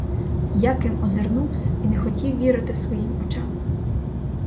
Яким озирнувсь і не хотів вірити своїм очам.